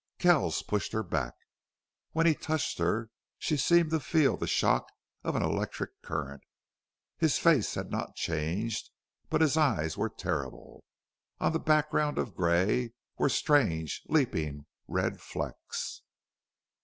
Kells pushed her back. When he touched her she seemed to feel the shock of an electric current. His face had not changed, but his eyes were terrible. On the background of gray were strange, leaping red flecks.